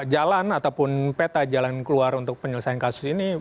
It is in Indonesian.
jalan ataupun peta jalan keluar untuk penyelesaian kasus ini